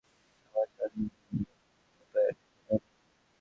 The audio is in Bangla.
আমরা অন্য উপায়ে এটা সামলে নেবো।